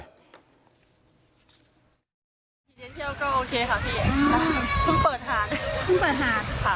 เรียนเที่ยวก็โอเคค่ะพี่เพิ่งเปิดหาดเพิ่งเปิดหาดค่ะ